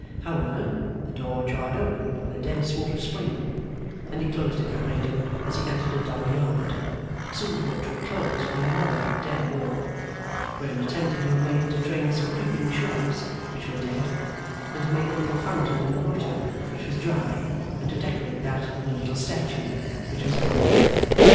However, the door jarred open on a dead sort of spring; and he closed it behind him as he entered a dull yard, soon brought to a close by another dead wall, where an attempt had been made to train some creeping shrubs, which were dead; and to make a little fountain in a grotto, which was dry; and to decorate that with a little statue, which was gone.